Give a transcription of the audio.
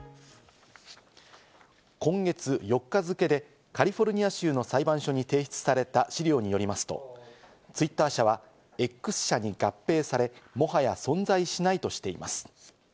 今月４日付でカリフォルニア州の裁判所に提出された資料によりますと、ツイッター社はＸ社に合併され、もはや存在しないとしています。